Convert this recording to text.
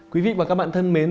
quý vị và các bạn thân mến